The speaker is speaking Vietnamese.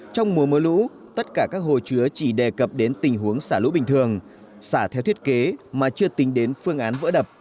trong mùa mưa lũ tất cả các hồ chứa chỉ đề cập đến tình huống xả lũ bình thường xả theo thiết kế mà chưa tính đến phương án vỡ đập